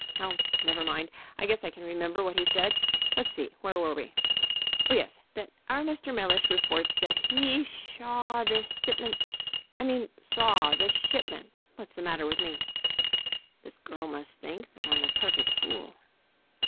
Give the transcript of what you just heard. Oh, never mind, I guess I can remember what he said.... Let's see, where were we?... Oh, yes, that our Mr. Mellish reports that he shaw the sipment I mean saw the shipment what's the matter with me? (this girl must think that I'm a perfect fool)